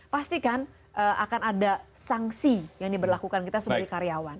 pastikan akan ada sanksi yang diberlakukan kita sebagai karyawan